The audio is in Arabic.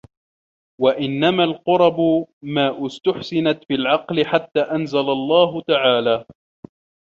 وَإِنَّمَا الْقُرَبُ مَا اُسْتُحْسِنَتْ فِي الْعَقْلِ حَتَّى أَنْزَلَ اللَّهُ تَعَالَى